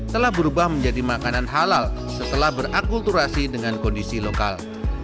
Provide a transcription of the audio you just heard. telah berubah menjadi makanan halal setelah berakulturasi dengan kondisi lokal